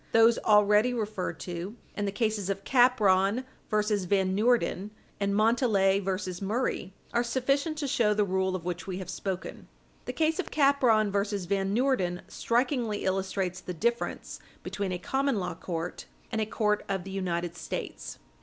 Those already referred to, and the cases of Capron v. Van Noorden, in 2 Cr. 126, and Montalet v. Murray, 4 Cr. 46, are sufficient to show the rule of which we have spoken. The case of Capron v. Van Noorden strikingly illustrates the difference between a common law court and a court of the United States.